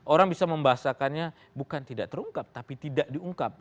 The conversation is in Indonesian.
orang bisa membahasakannya bukan tidak terungkap tapi tidak diungkap